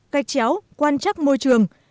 cách chéo quan trắc môi trường